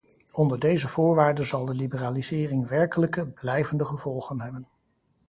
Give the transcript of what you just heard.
Onder deze voorwaarde zal de liberalisering werkelijke, blijvende gevolgen hebben.